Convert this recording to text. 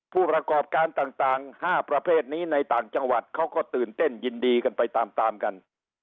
ผู้ประกอบการต่าง๕ประเภทนี้ในต่างจังหวัดเขาก็ตื่นเต้นยินดีกันไปตามตามกัน